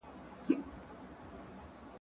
پروان د توتانو وطن دی.